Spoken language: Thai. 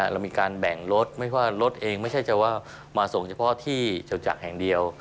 เรามีการแบ่งรถไม่ว่ารถเองไม่ใช่จะว่ามาส่งเฉพาะที่จวจักรแห่งเดียว